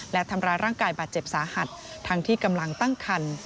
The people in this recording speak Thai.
และทำร้ายร่างกายบาดเจ็บสาหัสทั้งที่กำลังตั้งคัน